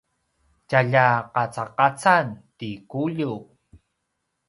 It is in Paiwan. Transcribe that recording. tjalja qacaqacan ti Kuliu